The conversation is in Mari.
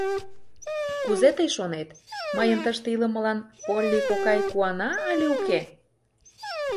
Кузе тый шонет, мыйын тыште илымылан Полли кокай куана але уке?